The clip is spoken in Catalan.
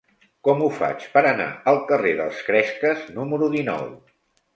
Com ho faig per anar al carrer dels Cresques número dinou?